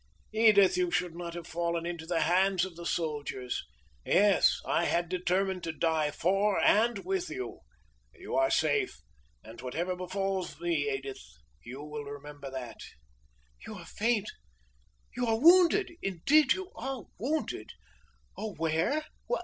Edith, you should not have fallen into the hands of the soldiers! Yes! I had determined to die for and with you! You are safe. And whatever befalls me, Edith, will you remember that?" "You are faint! You are wounded! Indeed you are wounded! Oh, where!